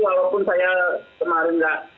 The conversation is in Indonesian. walaupun saya kemarin tidak